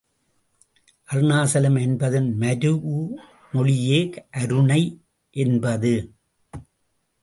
அருணாசலம் என்பதன் மரூஉ மொழியே அருணை என்பது.